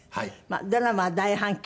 ドラマは大反響。